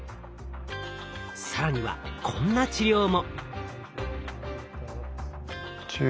更にはこんな治療も。